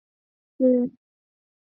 仅供存储一般保税货物。